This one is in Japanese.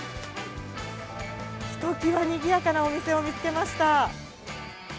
ひときわ、にぎやかなお店を見つけました。